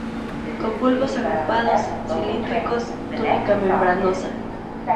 Con bulbos agrupados, cilíndricos, túnica membranosa.